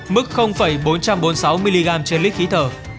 mức bốn trăm bốn mươi sáu mg trên lít khí thở